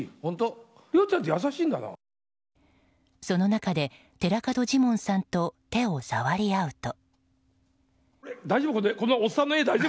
その中で寺門ジモンさんと手を触り合うと。